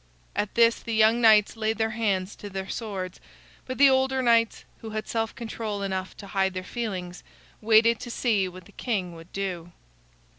At this the young knights laid their hands to their swords, but the older knights, who had self control enough to hide their feelings, waited to see what the king would do.